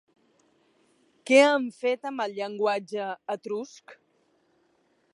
Què han fet amb el llenguatge etrusc?